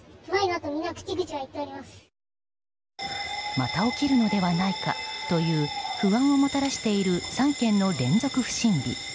また起きるのではないかという不安をもたらしている３件の連続不審火。